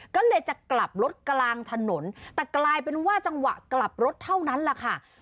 ก็เลยจะกลับรถกลางถนนแต่กลายเป็นว่าจังหวะกลับรถเท่านั้นแหละค่ะ